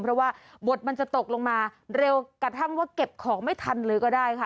เพราะว่าบทมันจะตกลงมาเร็วกระทั่งว่าเก็บของไม่ทันเลยก็ได้ค่ะ